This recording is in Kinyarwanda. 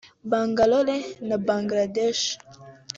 Bangalore na Bangladesh